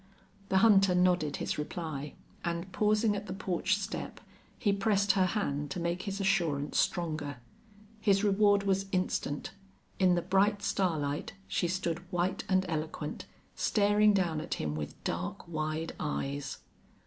The hunter nodded his reply, and, pausing at the porch step, he pressed her hand to make his assurance stronger. His reward was instant. In the bright starlight she stood white and eloquent, staring down at him with dark, wide eyes.